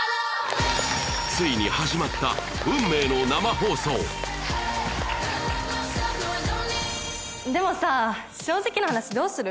ついに始まった運命の生放送でもさ正直な話どうする？